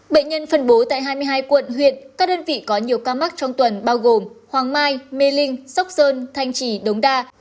bệnh nhân phân bố tại hai mươi hai quận huyện các đơn vị có nhiều ca mắc trong tuần bao gồm hoàng mai mê linh sóc sơn thanh trì đống đa